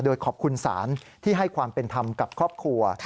โดยขอบคุณศาลที่ให้ความเป็นธรรมกับครอบครัว